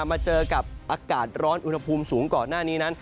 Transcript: มาเจอกับอากาศร้อนอุณหภูมิสูงก่อนหน้านี้นั้น